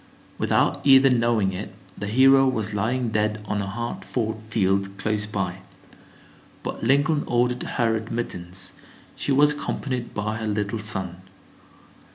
Without either knowing it, the hero was lying dead on a hard fought field close by. But Lincoln ordered her admittance. She was accompanied by her little son.